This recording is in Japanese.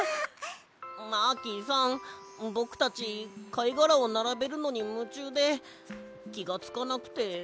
マーキーさんぼくたちかいがらをならべるのにむちゅうできがつかなくて。